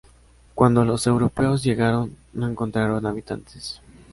Cuando los europeos llegaron no encontraron habitantes.